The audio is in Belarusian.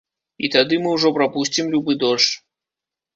І тады мы ўжо прапусцім любы дождж.